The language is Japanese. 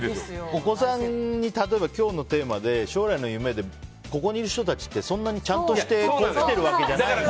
お子さんに、例えば今日のテーマで将来の夢でここにいる人たちってそんなにちゃんとしてきてるわけじゃないから。